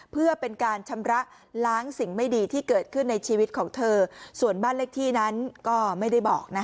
เพื่อเป็นการชำระล้างสิ่งไม่ดีที่เกิดขึ้นในชีวิตของเธอส่วนบ้านเลขที่นั้นก็ไม่ได้บอกนะ